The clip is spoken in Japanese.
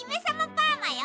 パーマよ。